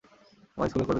তোমরা ইস্কুল করবে কী!